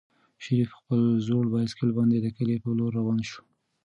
شریف په خپل زوړ بایسکل باندې د کلي په لور روان شو.